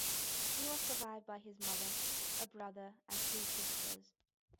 He was survived by his mother, a brother and two sisters.